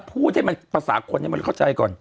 พูดให้มันภาษาคนให้มันเข้าใจก่อน